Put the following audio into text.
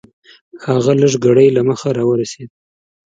هغه لږ ګړی له مخه راورسېد .